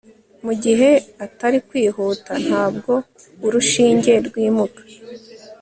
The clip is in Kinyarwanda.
mugihe atari kwihuta, ntabwo urushinge rwimuka